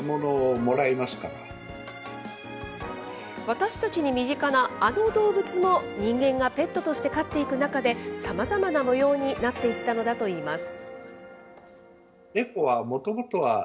私たちに身近なあの動物も人間がペットとして飼っていく中で、さまざまな模様になっていったのだといいます。